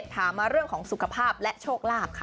ถามมาเรื่องของสุขภาพและโชคลาภค่ะ